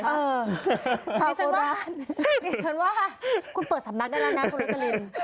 นี่ฉันว่านี่ฉันว่าคุณเปิดสำนักได้แล้วนะคุณรับจริง